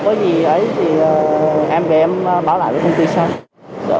có gì ấy thì em gửi em báo lại với công ty sau